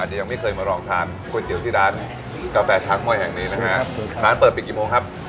จะเดินทางที่ร้านมาอย่างไงครับ